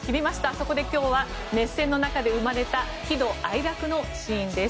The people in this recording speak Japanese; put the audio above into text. そこで今日は熱戦の中で生まれた喜怒哀楽のシーンです。